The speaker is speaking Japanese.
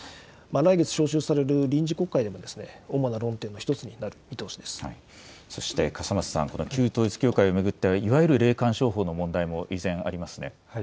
来月召集される臨時国会でも、主そして笠松さん、この旧統一教会を巡っては、いわゆる霊感商法の問題も依然ありますね。